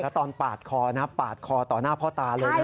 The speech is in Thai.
แล้วตอนปาดคอนะปาดคอต่อหน้าพ่อตาเลยนะ